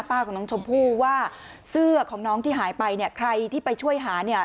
ของน้องชมพู่ว่าเสื้อของน้องที่หายไปเนี่ยใครที่ไปช่วยหาเนี่ย